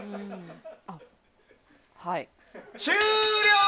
あっ、はい。